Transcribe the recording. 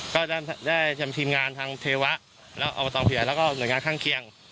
ก็ได้หนักได้ทีมงานทางเทวะอบทนภิวัติพรกรรมแล้วก้หน่วยงานข้างเคียง